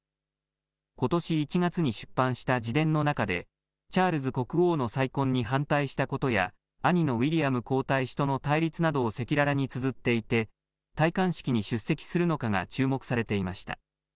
ことし１月に出版した自伝の中でチャールズ国王の再婚に反対したことや兄のウィリアム皇太子との対立などを赤裸々につづっていて戴冠式に出席するのかが注目されていました。